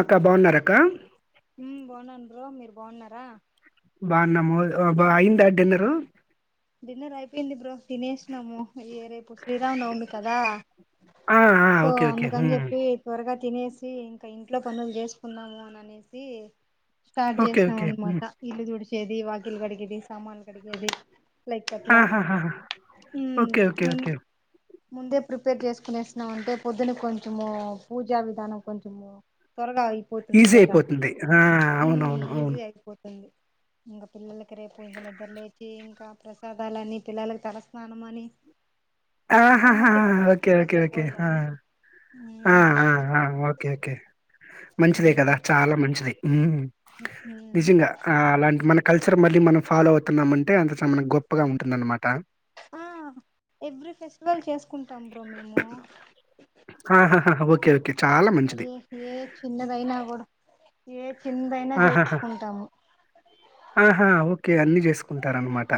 అక్కా బావున్నార అక్కా హ్మ్ బాగున్నాను్రో మీరు బాగున్నారా బావున్నాము బా అయిందా డిన్నరు డిన్నర్ అయిపోయింది బ్రో తినేసినాము ఏరే ఇప్పుడు శ్రీరామ నవమి కదా ఆ ఆ సో ఓకే ఓకే అందుకని ఉమ్. చెప్పి త్వరగా తినేసి ఇంకా ఇంట్లో పనులు చేసుకున్నాము అని అనేసి స్టార్ట్ ఓకే చేసాం ఓకే అన్నమాట ఇల్లు తుడిచ్ ఏది వాకిలి కడిగేది సామాన్ కడిగేది లైక్ అట్లా ఆహాహా ఓకే ఓకే ఉమ్ ఓకే ముందే ప్రిపేర్ చేసుకునేసినామంటే పొద్దున్న కొంచము పూజా విధానం కొంచెము త్వరగా అయిపోతుంది ఈజీ కదా అయిపోతుంది ఆ అవునవును అవును అవును ఈఈజీ అయిపోతుంద ఇంక పిల్లలకి రేపు ఇంక నిద్ర లేచి ఇంకా ప్ర సాదాలని పిల్లలకు తలస్నానమని ఆహాహాహా ఓకే ఓకే ఓకే బోల్డని ఆ హ్మ్ ఆఆఓకే ఓకే మంచిదే కదా చాలా మంచిది ఉ హ్మ్ నిజంగా ఆ అలాంటి మనక్ కల్చర్ మళ్ళీ మనం ఫాలో అవుతున్నామంటే అంత చానా మన గొప్పగా ఉంటుందనమాట. ఆ ఎవ్రీ ఫెస్టివల్ చేసుకో కుంటాం బ్రో మేము ఓ కే అరే ఏ చిన్నదైనా కూడు ఏ చిన్నదైనా ఆహాహా చేసుకుంటాము ఆహా ఓకే అన్ని చేసుకుంటారు అన్నమాట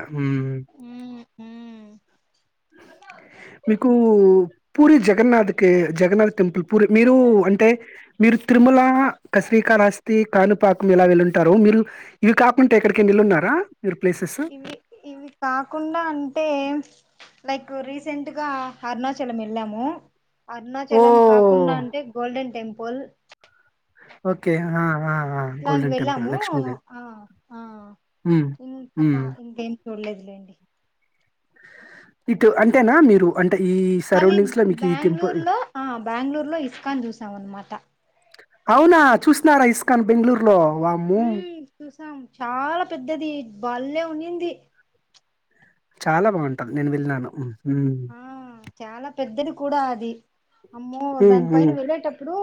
హ్మ్ హ్మ్ మీకు పూరి జగన్నాథ్ కి జగన్నాథ్ టెంపుల్ పూరి మీరు అంటే మీరు తిరుమల క శ్రీకాళహస్తి, కానుపాకం ఇలా వెళ్ళుంటారు. మీరు ఇవి కాకుంటే ఎక్కడికి ఏళ్ళున్నార. ఇవి ఇవి కాకుండా అంటే లైక్ రీసెంట్గా అరుణాచలం వెళ్ళాము. అరుణాచలం ఓహ్! కాకుండా అంటే గోల్డెన్ టెంపుల్ ఓకే ఆ ఆ! ఆ! ఇట్లాంటి గోల్డెన్ టెంపుల్ వెళ్ళాము లక్ష్మీదేవి. ఆ ఆ హ్మ్. ఇంకా హ్మ్. ఇంకే చూడలేదులేండి ఇటు అంతేనా మీరు అం మళ్ళీ బెంగళూర్ లో ఆ బెంగళూరు లో ఇస్కాన్ చూసాం అనమాట అవునా చూసినారా ఇస్కాన్ బెంగళూరు లో వామ్మో సినాం చాలా పెద్దది బల్లే ఉన్నింది చాలా బాగుంటది నేను వెళ్ళినను ఆ చాలా పెద్దది కూడా అది అమ్మో హ్మ్. దాని హ్మ్. పైన వెళ్ళేటప్పుడు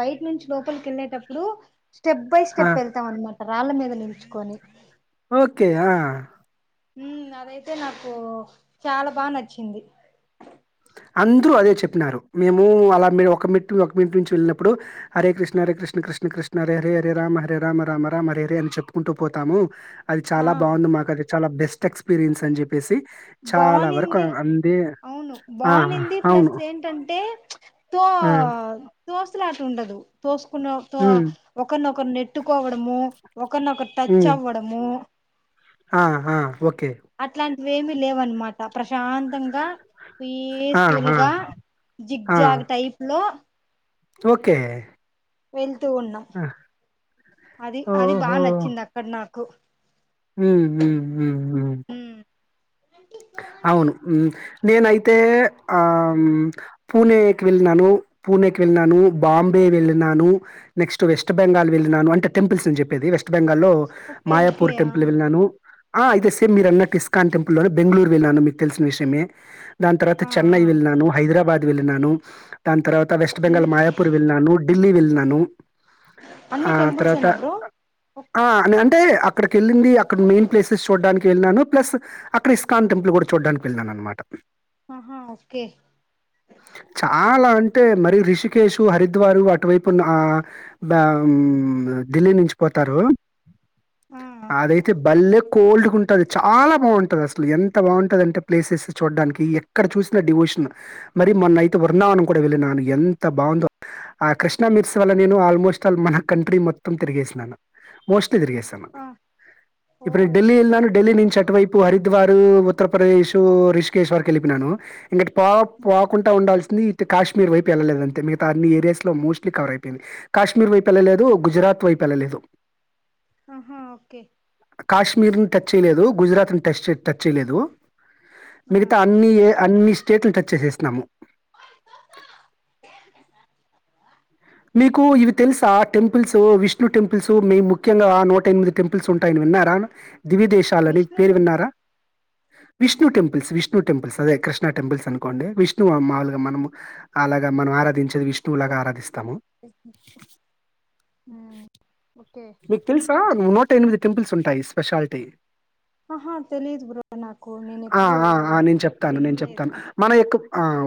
బయట నుంచి లోపలికి వెళ్ళేటప్పుడు స్టెప్ బై ఆ! స్టెప్ వెళ్తాన్నమాట రాళ్ళ మీద నిల్చుకొని ఓకేయా ఉం అదైతే నాకు చాలా బా నచ్చింది అందరూ అదే చెప్పినారు. మేము అలా ఒక మిట్ నుంచి ఒక మినిట్ నుంచి వెళ్ళినప్పుడు, హరే కృష్ణ హరే కృష్ణ కృష్ణ కృష్ణ హరే హరే హరే రామ హరే రామ రామ రామ హరే హరే అని చెప్పుకుంటూ పోతాము. అది ఆ చాలా బాగుంది మాకు అది చాలా బెస్ట్ స్ట్ ఎక్స్పీరియన్స్ అన్ చెప్ చెప్పేసి చాలా వరకు అందే ఆ! బాగునింది అవును. ప్లస్ ఏంటంటే తో ఆ! తోసులాట ఉండదు తోస్ కునోల్తో హ్మ్. ఒకరినొకరు నెట్టుకోవడము ఒకరినోకరు టచ్ అవ్వడము ఆా ఒ అట్లాం వేమి లేవన్నమాట ప్రశాంతంగా ఆ! పీస్ఫుల్ ఆ! గా జిగ్ ఆ! జాగ్ టైప్ లో ఓకే వెల్ ఉన్నాం ఆ! అది అది బాగా నచ్చింది అక్కడ నాకు గ హు హు హు ఉమ్ అవును నేనైతే ఆ ఆ పూణెకి వెళ్ళాను పూణెకి వెళ్ళినను బాంబే వెళ్ళినను నెక్స్ట్ వెస్ట్ బెంగాల్ వెళ్ళినను అంటే టెంపుల్స్ నిన్ చెప్పేది వెస్ట్ బెంగాల్ లో ఓకే ఓకే మాయాపూర్ ఆ టెంపుల్ వెళ్ళను ఆ అయితే సేమ్ మీరున్నట్టు ఇస్కాన్ టెంపుల్ లోని బెంగళూరు వెళ్ళాను మీకు తెలిసిన విషయమే దాని తర్వాత ఆ ఆ చెన్నై వెళ్ళినాను హైదరాబాద్ వేళ్లినాను దాని తర్వాత వెస్ట్ అన్ని బెంగాల్ మాయాపూర్ వెళ్న్నాను ఢిల్లి వెళ్ నను అన్ని ఆ తరువాత టెంపుల్సేనా బ్రో ఆ అన్ అంటే అక్కడికి వెళ్ళింది అక్కడ మెయిన్ ప్లేసెస్ చూడడానికి వెళ్ళినాను ప్లస్ అక్కడ ఇస్కాన్ టెంపుల్ కూడా చూడ్డానికి వెళ్లినాను అన్నమాట ఆహా ఓకే అలా అంటే మరి రిషికష్ హరిద్వారు అటువైపున్న ఆ మ్ ఢిల్లీ నుంచి పోతారు ఆ అదైతే బల్లె కోల్డ్ గుంటది చాలా బాగుం టది అసలు ఎంత బాగుంటదంటే ప్లేసెస్ చూడడానికి ఎక్కడ చూసిన డివోషన్ మరి మొన్నయితే వర్ణవం కూడా వెళ్ళినను ఎంత బాగుందో ఆ కృష్ణా మిర్స్ వల్ల నేను ఆల్మోస్ట్ల్ మన కంట్రీ మొత్తం తిరిగేసినను మోస్ట్ స్ట్ తిరిగేేశాను ఆ ఓ ఇప్పుడు నేను ఢిల్లీ వెళ్ళినాను సూపర్ ఢిల్లీ నుంచి అటువైపు హరిద్వార్ ఉత్తరప్రదేశ్ రిషికేశ్వర్కి ఎల్లిపోయినాను ఇంకటి పా పోకుండా ఉండాల్సింది తే కాశ్మీర్ వైపు వెళ్ళలేదు అంతే మిగతా అన్ని ఏరియాస్ లో మోస్ట్లీ కవర్ అయిపోయింది కాశ్మీర్ వైపు ఎళ్ళలేదు గుజరాత్ వైపు ఎళ్ళలేదు ఆహా ఓకే కాశ్మీర్ని టచ్ చేయలేదు గుజరాత్ టచ్ టచ్ చేయలేదు ఆ మిగతా అన్ని అన్ని స్టేట్లు టచ్ చేసేస్ నమో మీకు ఇవి తెలుసు ఆ టెంపుల్స్ విష్ణు టెంపుల్స్ మేము ముఖ్యంగా ఆ నూట ఎనిమిది టెంపుల్స్ ఉంటాయని విన్నారా దివి దేశాలని విష్ణు పేరు విన్నారా temple Vishnu temples Vishnu temples అదే కృష్ణ టెంపుల్స్ అనుకోండి విష్ణు మాముూలుగా మనం అలాగా మనం ఆరాధించ విష్ణులగాారాదిస్తంది ఓకే వికిిల్ నూట ఎనిమిది టింపుల్స్ ఉంటాయి స్పెషాలిటీ ఆహా తెలీదు బ్రో నాకు నేను ఆ! ఎప్పుడు ఆ! ఆ! నేను చెప్తాను. నేను చెప్తాను. వినలేదు మన యొక్క ఆ.